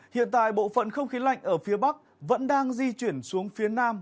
hiện tại bộ phận không khí lạnh ở phía bắc vẫn đang di chuyển xuống phía nam